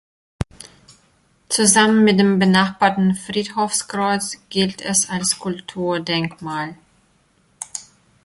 Zusammen mit dem benachbarten Friedhofskreuz gilt es als Kulturdenkmal.